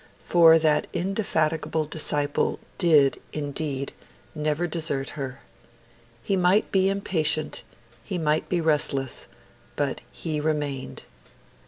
For that indefatigable disciple did, indeed, never desert her. He might be impatient, he might be restless, but he remained.